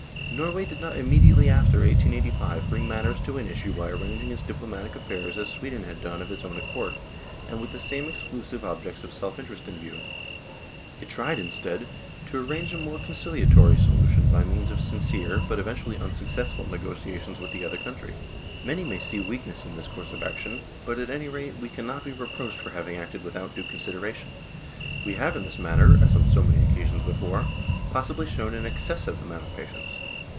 Norway did not imme diately after 1885 bring matters to an issue by arranging its diplomatic affairs as Sweden had done of its own accord, and with the same exclusive object of self interests in view ; it tried, instead, to arrange a more conciliatory solution by means of sincere, but eventually unsuccessful, negotiations with the other country. Many may see weakness in this course of action ; but, at any rate, we cannot be re proached with having acted without due consideration. We have in this matter, as on so many occasions before, possibly shown an excessive amount of patience.